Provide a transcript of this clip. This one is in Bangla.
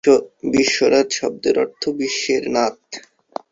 বিশ্বনাথ শব্দের অর্থ বিশ্বের নাথ।